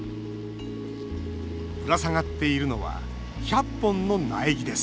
ぶら下がっているのは１００本の苗木です。